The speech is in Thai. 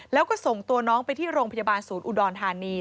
แล้วก็ส่งตัวน้องไปที่โรงพยาบาลศูนย์อุดรธานี